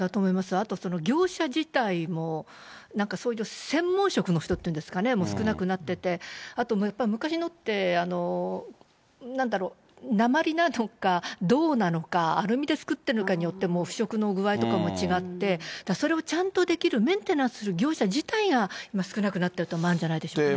あと業者自体も、なんかそういう専門職の人っていうんですかね、少なくなってて、やっぱり昔のって、なんだろう、鉛なのか銅なのか、アルミで作ってるのかによっても、もう腐食の具合とかも違って、それをちゃんとできる、メンテナンスできる業者自体が今、少なくなってるというのもあるんじゃないでしょうかね。